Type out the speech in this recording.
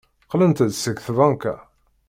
Qqlent-d seg tbanka.